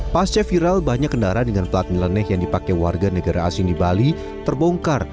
pasca viral banyak kendaraan dengan plat milenih yang dipakai warga negara asing di bali terbongkar